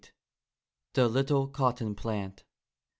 THE LITTLE COTTON PLANT.